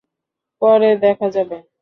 পরে দেখা যাবে।